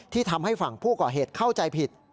ทำให้ฝั่งผู้ก่อเหตุเข้าใจผิด